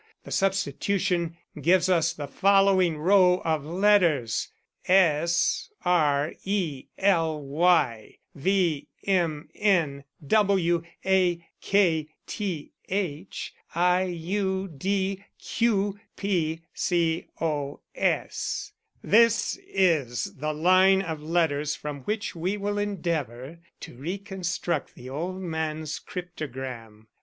The substitution gives us the following row of letters: S R E L Y V M N W A K T H I U D Q P C O S "This is the line of letters from which we will endeavour to reconstruct the old man's cryptogram.